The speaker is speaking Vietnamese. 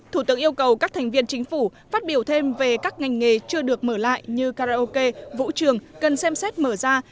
thủ tướng yêu cầu các thành viên chính phủ phát biểu thêm về các ngành nghề chưa được mở lại như karaoke vũ trường cần xem xét mở ra